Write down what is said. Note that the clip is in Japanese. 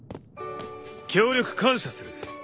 協力感謝する。